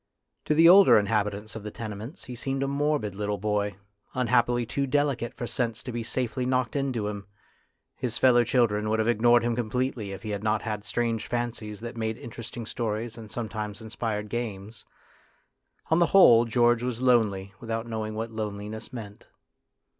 To the older inhabitants of the tenements he seemed a morbid little boy, unhappily too FATE AND THE ARTIST 247 delicate for sense to be safely knocked into him; his fellow children would have ignored him completely if he had not had strange fancies that made interesting stories and some times inspired games. On the whole, George was lonely without knowing what loneliness meant.